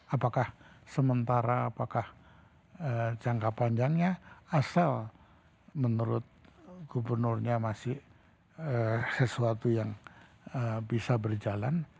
apakah sementara apakah jangka panjangnya asal menurut gubernurnya masih sesuatu yang bisa berjalan